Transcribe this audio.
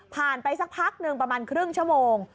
ไปสักพักหนึ่งประมาณครึ่งชั่วโมง